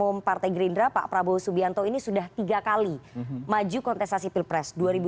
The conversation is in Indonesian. ketua umum partai gerindra pak prabowo subianto ini sudah tiga kali maju kontestasi pilpres